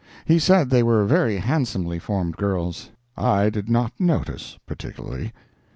He said they were very handsomely formed girls. I did not notice, particularly.